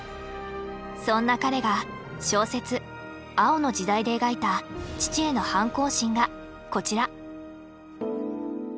そんな彼が小説「青の時代」で描いた父への反抗心がこちら。